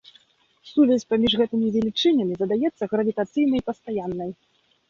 Сувязь паміж гэтымі велічынямі задаецца гравітацыйнай пастаяннай.